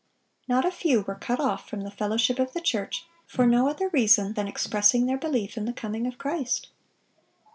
Not a few were cut off from the fellowship of the church for no other reason than expressing their belief in the coming of Christ.